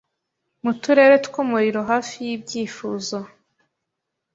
Mu turere twumuriro Hafi yibyifuzo